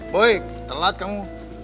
boy telat kamu